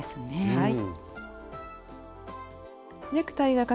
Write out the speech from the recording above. はい。